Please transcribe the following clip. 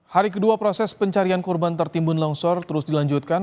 hari kedua proses pencarian korban tertimbun longsor terus dilanjutkan